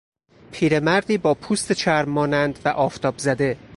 پیرمردی با پوست چرم مانند و آفتاب زده